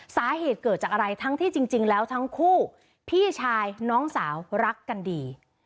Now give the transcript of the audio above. สาเหตุเกิดจากอะไรทั้งที่จริงแล้วทั้งคู่พี่ชายน้องสาวรักกันดี